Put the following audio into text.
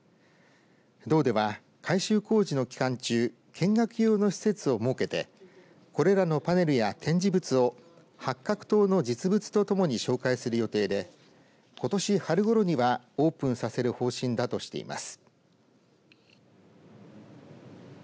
道では改修工事の期間中見学用の施設を設けてこれらのパネルや展示物を八角塔の実物とともに紹介する予定でことし春ごろにはオープンさせる方針だとしています。